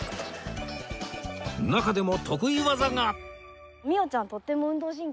中でも得意技が